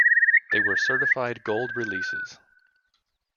They were certified gold releases.